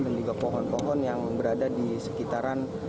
dan juga pohon pohon yang berada di sekitaran